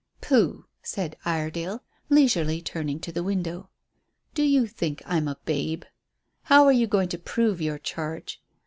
"Pooh," said Iredale, leisurely turning to the window. "Do you think I'm a babe? How are you going to prove your charge?